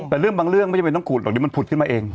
แต่เรื่องบางเรื่องไม่จำเป็นต้องขุดหรอกเดี๋ยวมันผุดขึ้นมาเอง